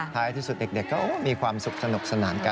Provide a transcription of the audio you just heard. ท้ายที่สุดเด็กก็มีความสุขสนุกสนานกัน